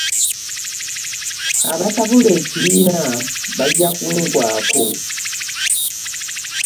Abatabula ekibiina bajja kungwako.